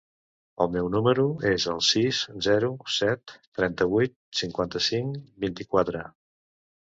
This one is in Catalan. El meu número es el sis, zero, set, trenta-vuit, cinquanta-cinc, vint-i-quatre.